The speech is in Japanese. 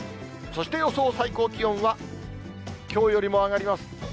そして、予想最高気温はきょうよりも上がります。